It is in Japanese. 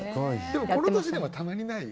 でも、この年でもたまにない？